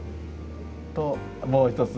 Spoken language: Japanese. ともう一つ。